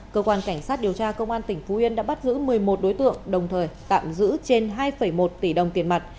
cơ quan cảnh sát điều tra công an tỉnh phú yên đã bắt giữ một mươi một đối tượng đồng thời tạm giữ trên hai một tỷ đồng tiền mặt